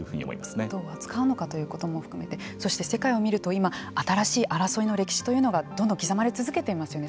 どう扱うのかということも含めて世界を見ると今、新しい争いの歴史というのがどんどん刻まれ続けていますよね。